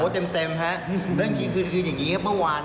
๕๘โหเต็มนั่งคืนอย่างนี้แค่เมื่อวาน